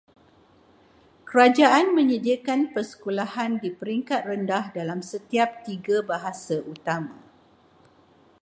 Kerajaan menyediakan persekolahan di peringkat rendah dalam setiap tiga bahasa utama.